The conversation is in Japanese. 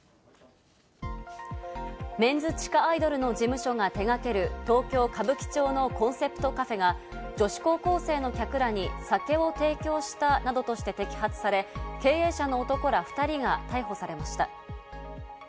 メンズ地下アイドルの事務所が手がける東京・歌舞伎町のコンセプトカフェが女子高校生の客らに酒を提供したなどとして摘発されて、経営者の男ら２人が逮捕されました。